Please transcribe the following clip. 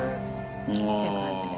って感じで。